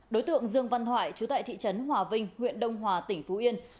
đối tượng dương văn thoại chú tại thị trấn hòa vinh huyện đông hòa tỉnh phú yên